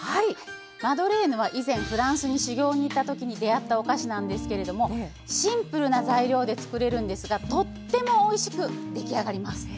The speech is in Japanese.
マドレーヌは以前、フランスに修業にいったときに出会ったお菓子なんですけれどもシンプルな材料で作れるんですがとってもおいしく出来上がります。